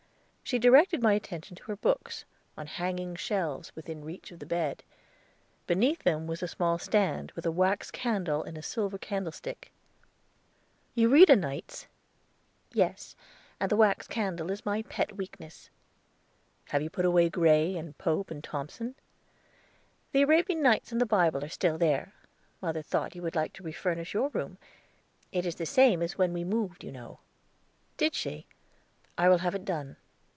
She directed my attention to her books, on hanging shelves, within reach of the bed. Beneath them was a small stand, with a wax candle in a silver candlestick. "You read o' nights?" "Yes; and the wax candle is my pet weakness." "Have you put away Gray, and Pope, and Thomson?" "The Arabian Nights and the Bible are still there. Mother thought you would like to refurnish your room. It is the same as when we moved, you know." "Did she? I will have it done.